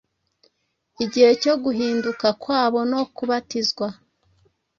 Igihe cyo guhinduka kwabo no kubatizwa,